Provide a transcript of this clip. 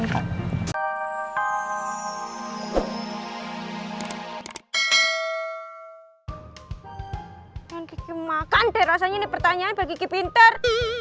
kiki makan deh rasanya ini pertanyaan bagi kiki pinter